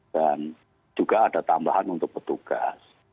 dan juga ada tambahan untuk petugas